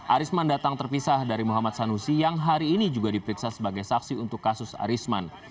arisman datang terpisah dari muhammad sanusi yang hari ini juga diperiksa sebagai saksi untuk kasus arisman